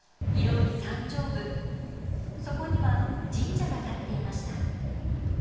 そこには神社が建っていました。